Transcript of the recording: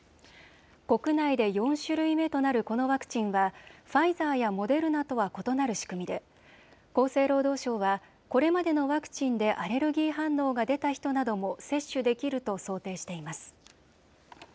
国内で４種類目となるこのワクチンはファイザーやモデルナとは異なる仕組みで厚生労働省はこれまでのワクチンでアレルギー反応が出た人なども接種できると想定しています。